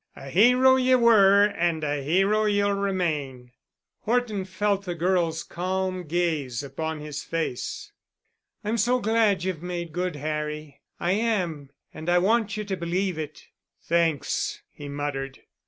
A hero ye were and a hero ye'll remain." Horton felt the girl's calm gaze upon his face. "I'm so glad you've made good, Harry. I am. And I want you to believe it." "Thanks," he muttered.